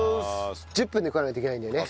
１０分で食わないといけないんだよね。